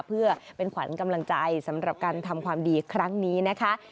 เพื่อเป็นขวัญกำลังใจสำหรับการทำความดีครั้งนี้นะคะ